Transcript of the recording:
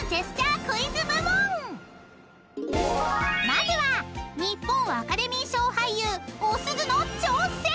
［まずは日本アカデミー賞俳優おすずの挑戦！］